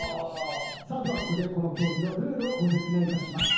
ではここでこの競技のルールをご説明いたします。